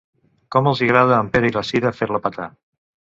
Com els hi agrada a en Pere i la Sira fer-la petar.